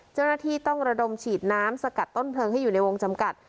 เจ้าหน้าที่ต้องระดมฉีดน้ำสกัดต้นเพลิงให้อยู่ในวงจำกัด